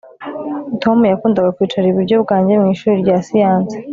Tom yakundaga kwicara iburyo bwanjye mu ishuri rya siyanse